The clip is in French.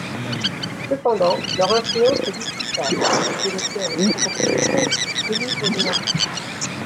Cependant, leur influence est discutable, les électeurs étant propriétaire et libre de leur voix.